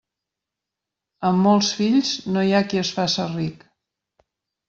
Amb molts fills no hi ha qui es faça ric.